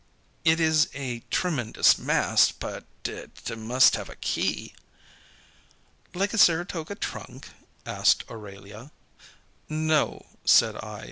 It is a tremendous mass, but it must have a key." "Like a Saratoga trunk?" asked Aurelia. "No," said I.